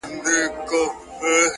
نه ادا سول د سرکار ظالم پورونه!.